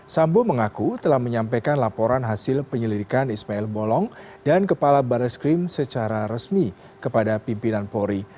sambo mengaku telah menyampaikan laporan hasil penyelidikan ismail bolong dan kepala baris krim secara resmi kepada pimpinan pori